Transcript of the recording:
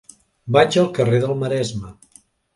Vaig al carrer del Maresme.